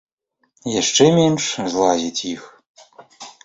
Яшчэ менш злазіць іх.